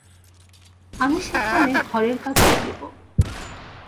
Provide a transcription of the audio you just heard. আমি সেখানে ঘরের কাজ করিব।